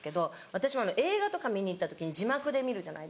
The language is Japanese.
私も映画とか見に行った時に字幕で見るじゃないですか。